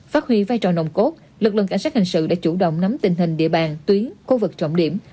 phát huy vai trò nồng cốt lực lượng cảnh sát hình sự đã chủ động nắm tình hình địa bàn tuyến khu vực trọng điểm